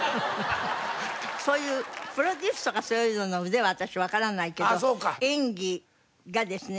そういうプロデュースとかそういうのの腕は私わからないけど演技がですね